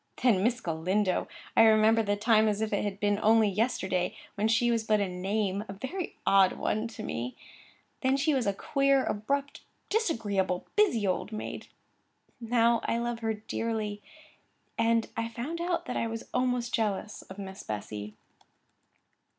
Then Miss Galindo! I remembered the time as if it had been only yesterday, when she was but a name—and a very odd one—to me; then she was a queer, abrupt, disagreeable, busy old maid. Now I loved her dearly, and I found out that I was almost jealous of Miss Bessy.